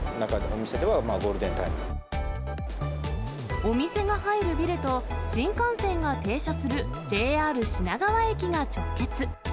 お店が入るビルと、新幹線が停車するＪＲ品川駅が直結。